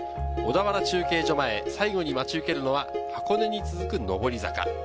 小田原中継所まで、最後に待ち受けるのは箱根に続く上り坂。